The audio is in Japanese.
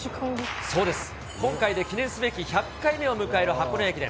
今回で記念すべき１００回目を迎える箱根駅伝。